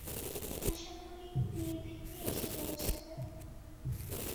আশা করি নির্বিঘ্নে এসে পৌঁছবে।